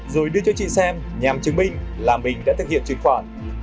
rồi đưa cho chị xem nhằm chứng minh là mình đã thực hiện chuyển khoản